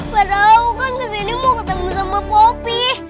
padahal aku kan kesini mau ketemu sama poppy